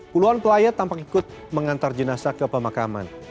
puluhan pelayat tampak ikut mengantar jenazah ke pemakaman